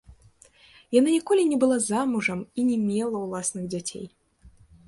Яна ніколі не была замужам і не мела ўласных дзяцей.